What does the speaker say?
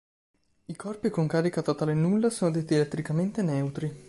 I corpi con carica totale nulla sono detti elettricamente neutri.